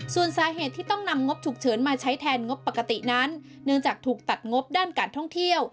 ส่วนสาเหตุที่ต้องนำงบฉุกเฉินมาใช้แทนงบปกตินั้นเนื่องจากถูกตัดงบด้านการท่องเที่ยว